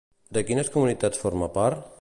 De quines comunitats forma part?